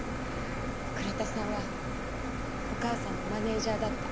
倉田さんはお母さんのマネージャーだった。